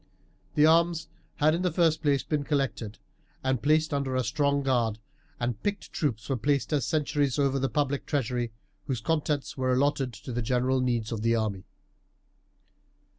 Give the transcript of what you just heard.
The arms had in the first place been collected and placed under a strong guard, and picked troops were placed as sentries over the public treasury, whose contents were allotted to the general needs of the army.